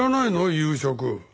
夕食。